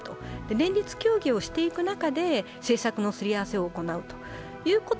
連立協議をしていく中で政策のすり合わせをしていくと。